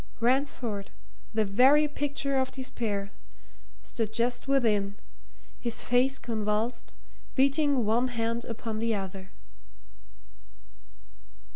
Ransford, the very picture of despair, stood just within, his face convulsed, beating one hand upon the other.